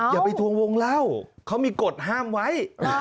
อย่าไปทวงวงเล่าเขามีกฎห้ามไว้